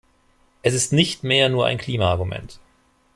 Es ist nicht mehr nur ein Klimaargument.